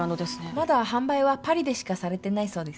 まだ販売はパリでしかされてないそうです